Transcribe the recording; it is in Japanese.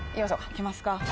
いきますか。